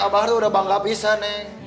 abah tuh udah bangga bisa neng